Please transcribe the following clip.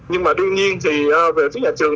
nhưng mà đương nhiên thì về phía nhà trường